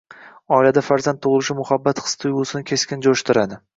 Oilada farzand tug‘ilishi muhabbat his-tuyg‘usini keskin jo‘shdiradi.